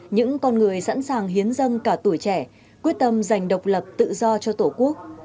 người sẵn sàng hiến dân cả tuổi trẻ quyết tâm giành độc lập tự do cho tổ quốc